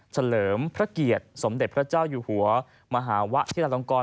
เลิมพระเกียรติสมเด็จพระเจ้าอยู่หัวมหาวะชิลาลงกร